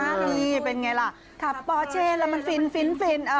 หรือเป็นไงล่ะจ๊ะบอเช่แล้วมันฟินอ่ะ